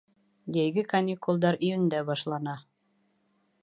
Йәйге каникулдар июндә башлана.